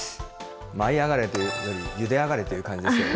舞い上がれというより、ゆであがれという感じですけれども。